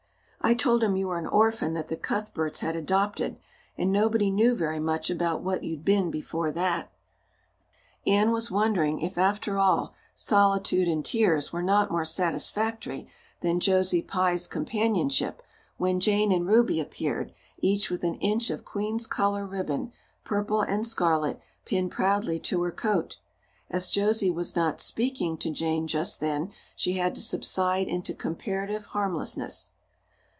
I told him you were an orphan that the Cuthberts had adopted, and nobody knew very much about what you'd been before that." Anne was wondering if, after all, solitude and tears were not more satisfactory than Josie Pye's companionship when Jane and Ruby appeared, each with an inch of Queen's color ribbon purple and scarlet pinned proudly to her coat. As Josie was not "speaking" to Jane just then she had to subside into comparative harmlessness.